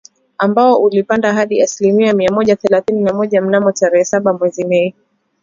ambao ulipanda hadi asilimia mia moja thelathini na moja mnamo tarehe saba mwezi Mei